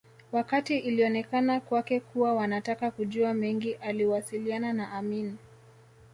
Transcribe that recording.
Wakati ilionekana kwake kuwa wanataka kujua mengi aliwasiliana na Amin